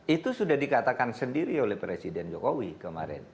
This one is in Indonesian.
itu sudah dikatakan sendiri oleh presiden jokowi kemarin